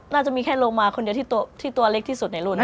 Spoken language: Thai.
น่าจะมีแค่โลมาคนเดียวที่ตัวเล็กที่สุดในรูนั้น